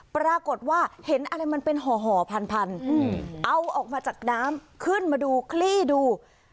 ปรากฏว่าเห็นอะไรมันเป็นห่อพันเอาออกมาจากน้ำขึ้นมาดูคลี่ดู